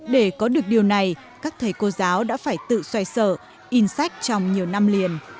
để có được điều này các thầy cô giáo đã phải tự xoay sở in sách trong nhiều năm liền